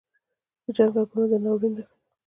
• د جنګ ږغونه د ناورین نښه ده.